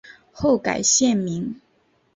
后改现名。